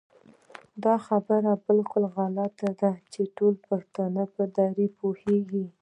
دا خبره بالکل غلطه ده چې ټول پښتانه په دري پوهېږي